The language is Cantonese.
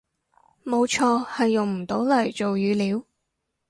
冇錯，係用唔到嚟做語料